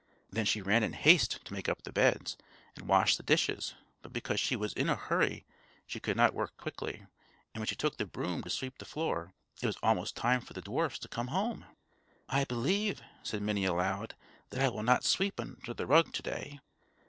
Then she ran in haste to make up the beds, and wash the dishes; but because she was in a hurry she could not work quickly, and when she took the broom to sweep the floor it was almost time for the dwarfs to come home. "I believe," said Minnie aloud, "that I will not sweep under the rug to day.